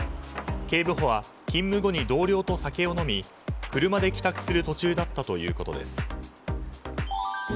警部補は勤務後に同僚と酒を飲み車で帰宅する途中だったということです。